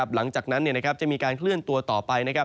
หลังจากนั้นจะมีการเคลื่อนตัวต่อไปนะครับ